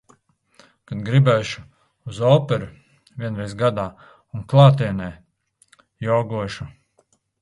Kad gribēšu, uz operu – vienreiz gadā un klātienē, jogošu.